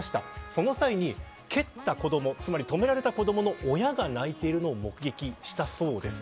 その際に、蹴った子ども止められた子どもの親が泣いているのを目撃したそうです。